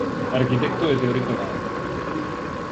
Arquitecto e teórico da arte.